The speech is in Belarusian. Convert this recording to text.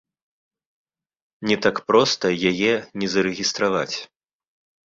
Не так проста яе не зарэгістраваць.